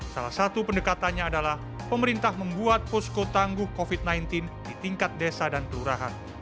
salah satu pendekatannya adalah pemerintah membuat posko tangguh covid sembilan belas di tingkat desa dan kelurahan